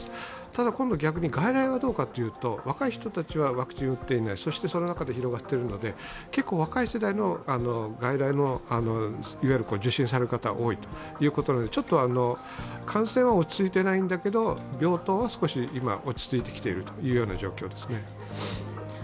ただ今度、逆に外来はどうかというと若い人たちはワクチンを打っていない、その中で広がっているので結構、若い世代の外来の受診される方が多いということなので感染は落ち着いてないんだけど病棟は少し今、落ち着いてきている状況ですね。